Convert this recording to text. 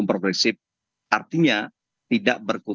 saya jugateri ber immunosensi syntrol